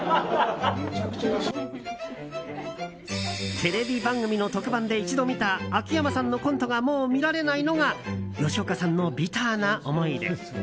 テレビ番組の特番で一度見た秋山さんのコントがもう見られないのが吉岡さんのビターな思い出。